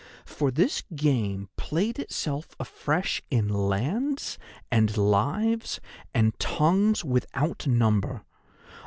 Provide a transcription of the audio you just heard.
For this game played itself afresh in lands, and lives, and tongues without number.